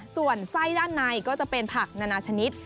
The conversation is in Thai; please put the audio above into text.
ส่วนไส้ด้านในก็จะเป็นผักนานาชนิด